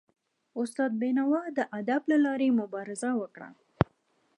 استاد بینوا د ادب له لاري مبارزه وکړه.